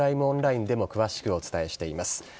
オンラインでも詳しくお伝えしています。